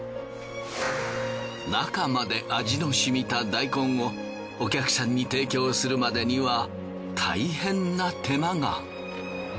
中まで味のしみた大根をお客さんに提供するまでには大変な手間が。